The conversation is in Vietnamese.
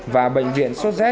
và bệnh viện sốt z